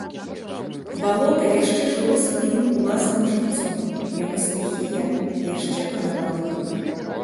Балота яшчэ жыло сваім уласным жыццём, яго стыхія яшчэ панавала тут.